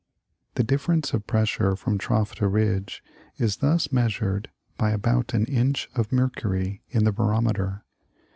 The difference of pressure from trough to ridge is thus measured by about an inch of mercury in the barometer.